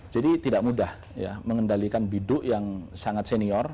jadi tidak mudah ya mengendalikan bidu yang sangat senior